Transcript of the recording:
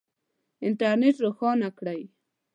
انټرنېټ روښانه کړئ